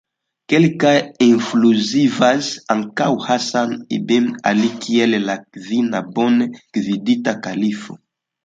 Kelkaj inkluzivas ankaŭ Hasan ibn Ali kiel la kvina bone gvidita kalifo.